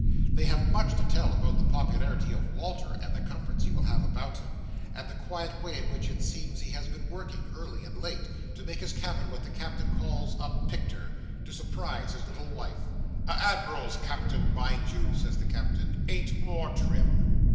They have much to tell about the popularity of Walter, and the comforts he will have about him, and the quiet way in which it seems he has been working early and late, to make his cabin what the Captain calls "a picter," to surprise his little wife. "A admiral's cabin, mind you," says the Captain, "ain't more trim."